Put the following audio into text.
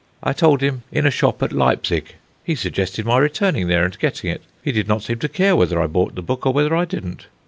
I told him in a shop at Leipsig. He suggested my returning there and getting it; he did not seem to care whether I bought the book or whether I didn't.